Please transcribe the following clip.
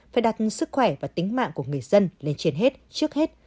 phải đặt sức khỏe và tính mạng của người dân lên trên hết trước hết